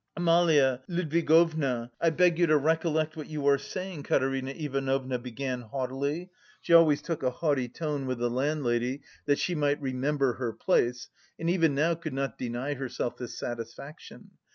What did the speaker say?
"Amalia Ludwigovna, I beg you to recollect what you are saying," Katerina Ivanovna began haughtily (she always took a haughty tone with the landlady that she might "remember her place" and even now could not deny herself this satisfaction).